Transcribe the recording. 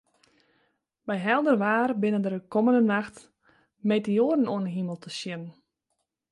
By helder waar binne der de kommende nacht meteoaren oan 'e himel te sjen.